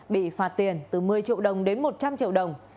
bị phạt tiền từ một mươi triệu đồng đến một trăm linh triệu đồng